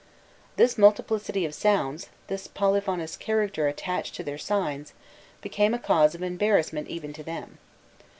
This multiplicity of sounds, this polyphonous character attached to their signs, became a cause of embarrassment even to them.